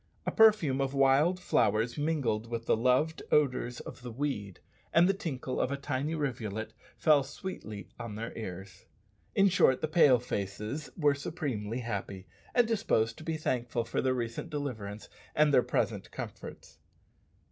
A perfume of wild flowers mingled with the loved odours of the "weed," and the tinkle of a tiny rivulet fell sweetly on their ears. In short, the "Pale faces" were supremely happy, and disposed to be thankful for their recent deliverance and their present comforts.